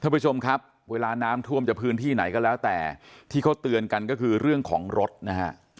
ผู้ชมครับเวลาน้ำท่วมจะพื้นที่ไหนก็แล้วแต่ที่เขาเตือนกันก็คือเรื่องของรถนะฮะ